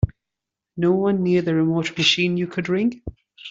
No one near the remote machine you could ring?